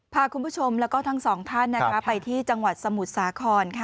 พาคุณผู้ชมแล้วก็ทั้งสองท่านไปที่จังหวัดสมุทรสาคร